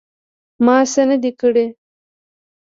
_ما څه نه دي کړي.